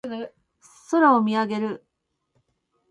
空を見上げる。